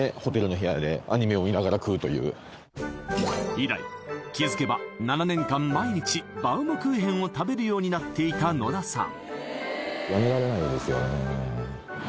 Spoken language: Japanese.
以来気付けば７年間毎日バウムクーヘンを食べるようになっていた野田さん